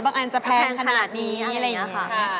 อันจะแพงขนาดนี้อะไรอย่างนี้ค่ะ